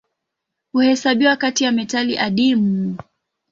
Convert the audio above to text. Huhesabiwa kati ya metali adimu.